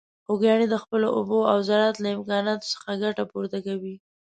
خوږیاڼي د خپلو اوبو او زراعت له امکاناتو څخه ګټه پورته کوي.